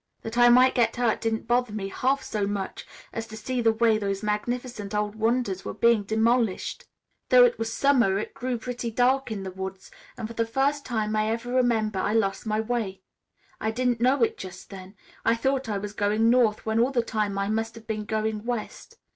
That I might get hurt didn't bother me half so much as to see the way those magnificent old wonders were being demolished. "Though it was summer it grew pretty dark in the woods and, for the first time I ever remember, I lost my way, I didn't know it just then. I thought I was going north, when all the time I must have been going west.